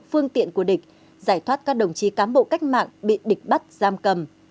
phương tiện của địch giải thoát các đồng chí cán bộ cách mạng bị địch bắt giam cầm